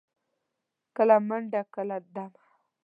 کله منډه، کله دمه.